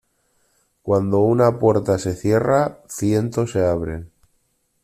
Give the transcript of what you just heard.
Cuando una puerta se cierra, ciento se abren.